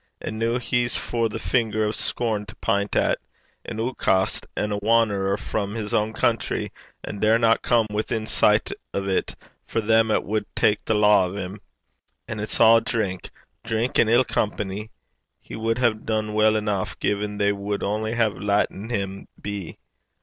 And noo he's for the finger o' scorn to pint at; an ootcast an' a wan'erer frae his ain country, an' daurna come within sicht o' 't for them 'at wad tak' the law o' 'm. An' it's a' drink drink an' ill company! He wad hae dune weel eneuch gin they wad only hae latten him be.